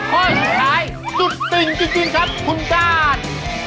ข้อสุดท้ายสุดติ่งจริงครับคุณด้าน